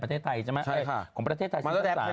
ประเทศไทยใช่ไหมของประเทศไทยซึ่งต่างค่ะใช่ค่ะ